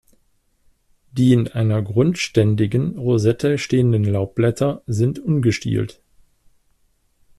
Die in einer grundständigen Rosette stehenden Laubblätter sind ungestielt.